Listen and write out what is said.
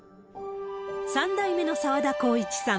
３代目の澤田功一さん。